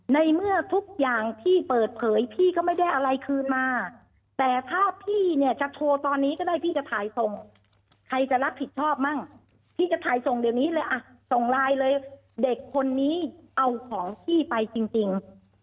ในเมื่อทุกอย่างพี่เปิดเผยพี่ก็ไม่ได้อะไรคืนมาแต่ถ้าพี่เนี่ยจะโทรตอนนี้ก็ได้พี่จะถ่ายส่งใครจะรับผิดชอบมั่งพี่จะถ่ายส่งเดี๋ยวนี้เลยอ่ะส่งไลน์เลยเด็กคนนี้เอาของพี่ไปจริง